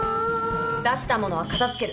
「出した物は片付ける。